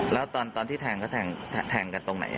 แล้วตอนที่แทงเขาแทงกันตรงไหน